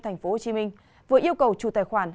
tp hcm vừa yêu cầu chủ tài khoản